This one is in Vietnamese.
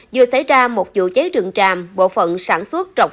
vừa xảy ra một vụ cháy rừng tràm bộ phòng cháy rừng tràm